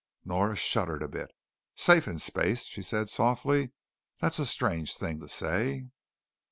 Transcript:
Nora shuddered a bit. "Safe in space," she said softly. "That's a strange thing to say."